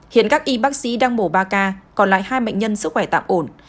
hiện các y bác sĩ đang mổ ba ca còn lại hai bệnh nhân sức khỏe tạm ổn